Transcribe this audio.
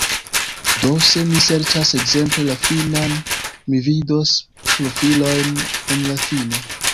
Do, se mi serĉas ekzemple la finnan, mi vidos profilojn en la finna.